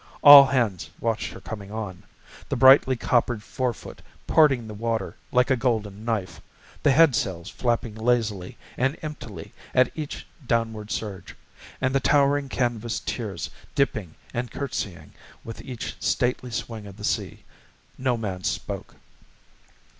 All hands watched her coming on the brightly coppered forefoot parting the water like a golden knife, the headsails flapping lazily and emptily at each downward surge, and the towering canvas tiers dipping and curtsying with each stately swing of the sea. No man spoke.